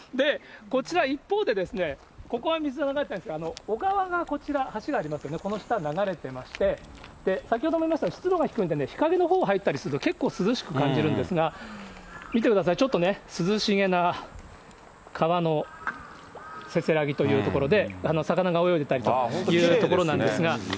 こちら一方で、ここは水はなくて、小川がこちら、橋がありまして、この下、流れてまして、先ほども言いましたが、湿度が低いんでね、日陰のほう入ったりすると、結構涼しく感じるんですが、見てください、ちょっとね、涼しげな川のせせらぎというところで、魚が泳いでたりという所なんですが。